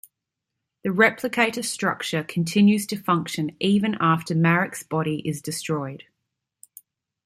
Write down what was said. The Replicator structure continues to function even after Marrick's body is destroyed.